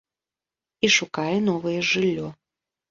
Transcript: І шукае новае жыллё.